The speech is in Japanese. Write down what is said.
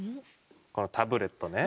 このタブレットね。